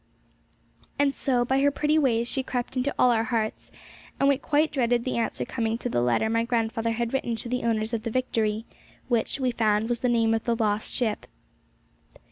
And so by her pretty ways she crept into all our hearts, and we quite dreaded the answer coming to the letter my grandfather had written to the owners of the Victory, which, we found, was the name of the lost ship.